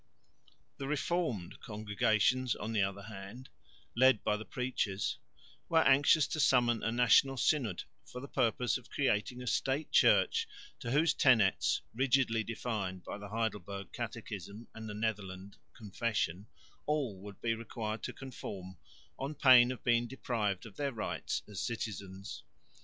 The "Reformed" congregations on the other hand, led by the preachers, were anxious to summon a National Synod for the purpose of creating a State Church to whose tenets, rigidly defined by the Heidelberg catechism and the Netherland confession, all would be required to conform on pain of being deprived of their rights as citizens.